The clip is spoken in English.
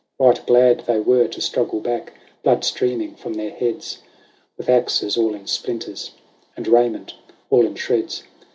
Right glad they were to struggle back, blood streaming from their heads. With axes all in splinters, and raiment all in shreds.